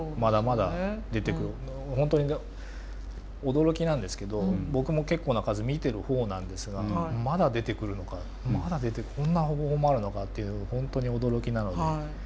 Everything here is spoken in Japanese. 本当に驚きなんですけど僕も結構な数見てる方なんですがまだ出てくるのかまだ出てこんな方法もあるのかっていう本当に驚きなので。